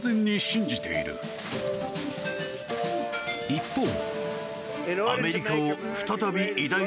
一方。